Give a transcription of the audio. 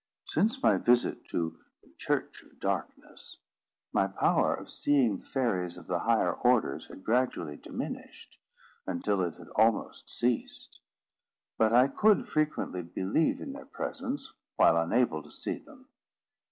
Since my visit to the Church of Darkness, my power of seeing the fairies of the higher orders had gradually diminished, until it had almost ceased. But I could frequently believe in their presence while unable to see them.